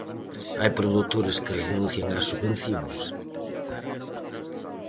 Hai produtoras que renuncian ás subvencións?